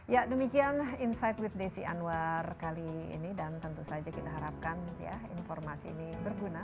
ya demikian insight with desi anwar kali ini dan tentu saja kita harapkan ya informasi ini berguna